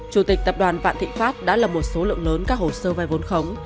chủ tịch tập đoàn vạn thị pháp đã lập một số lượng lớn các hồ sơ vai vốn khống